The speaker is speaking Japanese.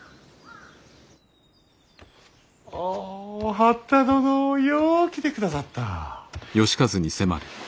おお八田殿よう来てくださった。